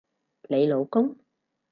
你老公？